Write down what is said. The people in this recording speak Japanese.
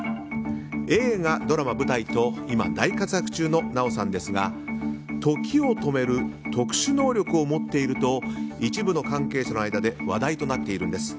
映画、ドラマ、舞台と今大活躍中の奈緒さんですが時を止める特殊能力を持っていると一部の関係者の間で話題になっているんです。